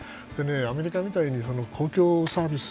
アメリカみたいに公共サービス